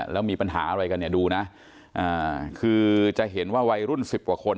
แล้วมีปัญหาอะไรกันเนี่ยดูนะคือจะเห็นว่าวัยรุ่นสิบกว่าคน